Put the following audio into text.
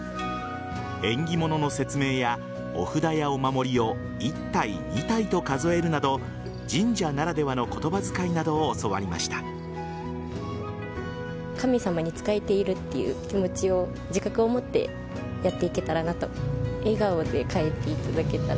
縁起物の説明やお札やお守りを１体、２体と数えるなど神社ならではの言葉遣いなどを教わりました。